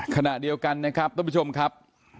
ขณะเดียวกันนะครับท่านผู้ชมครับ